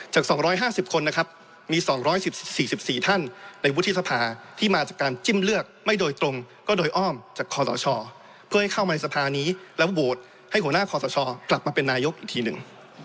จาก๒๕๐คนนะครับมี๒๔๔ท่านในวุฒิสภาที่มาจากการจิ้มเลือกไม่โดยตรงก็โดยอ้อมจากคอสชเพื่อให้เข้ามาในสภานี้แล้วโหวตให้หัวหน้าคอสชกลับมาเป็นนายกอีกทีหนึ่ง